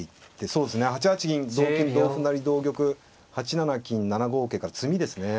そうですね８八銀同金同歩成同玉８七金７五桂から詰みですね。